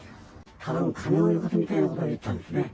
たぶん、金をよこせみたいなことを言ったんですね。